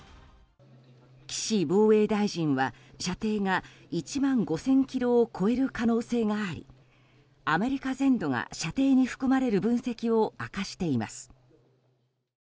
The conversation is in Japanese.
岸防衛大臣は射程が１万５０００ｋｍを超える可能性がありアメリカ全土が射程に含まれる分析を明かしています。